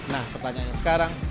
nah pertanyaannya sekarang